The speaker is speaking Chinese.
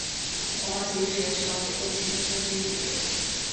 狂欢节一直延续到玫瑰星期一结束。